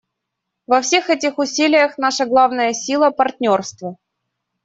Во всех этих усилиях наша главная сила — партнерство.